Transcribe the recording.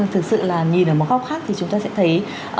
thực sự là nhìn ở một góc khác thì chúng ta sẽ thấy